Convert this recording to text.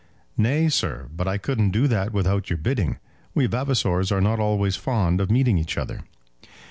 "Nay, sir, but I couldn't do that without your bidding. We Vavasors are not always fond of meeting each other."